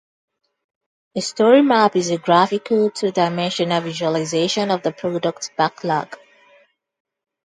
A story map is a graphical, two-dimensional visualization of the product backlog.